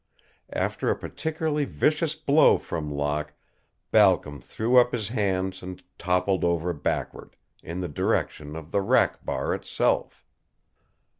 After a particularly vicious blow from Locke, Balcom threw up his hands and toppled over backward in the direction of the rack bar itself.